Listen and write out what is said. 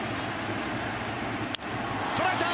捉えた！